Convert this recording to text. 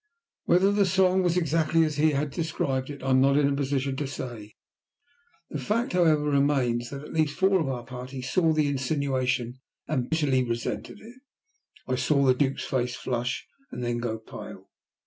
Whether the song was exactly as he described it, I am not in a position to say; the fact, however, remains that at least four of our party saw the insinuation and bitterly resented it. I saw the Duke's face flush and then go pale.